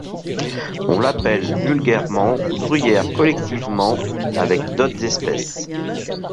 On l'appelle vulgairement bruyère collectivement avec d'autres espèces.